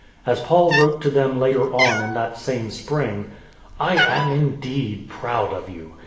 As Paul wrote to them later on in that same spring :" I am, indeed, proud of you.